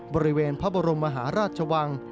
บริเวณพระบรมมหาราชวัง